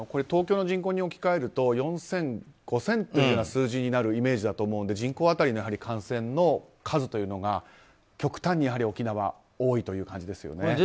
東京の人口に置き換えると４０００、５０００という数字になるイメージだと思うので人口当たりの感染の数というのが極端に沖縄は多いという感じですよね。